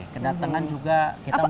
kedatangan juga kita mau